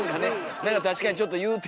何か確かにちょっと言うてるみたいな。